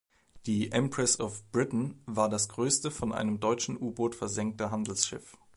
Die "Empress of Britain" war das größte von einem deutschen U-Boot versenkte Handelsschiff.